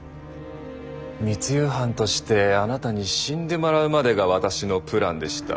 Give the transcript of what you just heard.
密輸犯としてあなたに死んでもらうまでが私のプランでした。